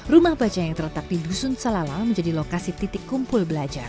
rumah baca yang terletak di dusun salalah menjadi lokasi titik kumul